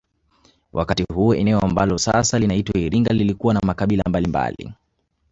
Wakati huo eneo ambalo sasa linaitwa iringa lilikuwa na makabila mbalimbali